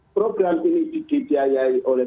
program ini didiayai oleh